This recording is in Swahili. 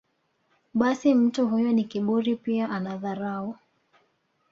basi mtu huyo ni kiburi pia ana dharau